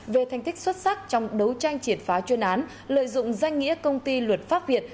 về thành tích xuất sắc trong đấu tranh triệt phá chuyên án lợi dụng danh nghĩa công ty luật pháp việt